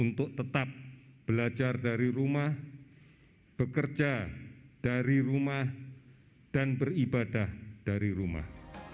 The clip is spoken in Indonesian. untuk tetap belajar dari rumah bekerja dari rumah dan beribadah dari rumah